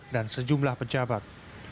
dan sejumlah pejabat